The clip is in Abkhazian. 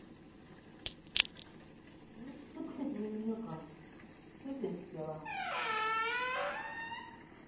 Уи дсыԥхьеит лыҩныҟа, дсыҳәеит цәгьала…